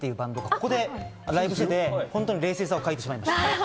ここでライブしてて、冷静さを欠いてしまいました。